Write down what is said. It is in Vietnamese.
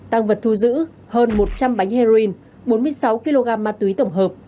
tăng vật thu giữ hơn một trăm linh bánh heroin bốn mươi sáu kg ma túy tổng hợp